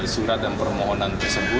surat dan permohonan